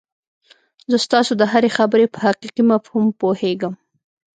زه ستاسو د هرې خبرې په حقيقي مفهوم پوهېږم.